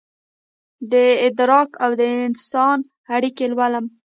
دادراک اودانسان اړیکې لولم